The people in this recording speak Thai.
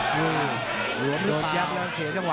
หลวมโดนแยกแล้วเสียจังหวะ